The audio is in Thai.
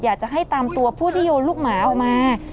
อยากจะให้ตามตัวผู้ที่โยนลูกหมาออกมา